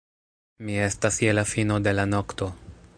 Mi estas je la fino de la nokto.